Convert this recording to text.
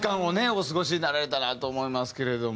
お過ごしになられたなと思いますけれども。